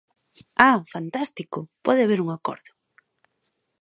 ¡Ah, fantástico!, pode haber un acordo.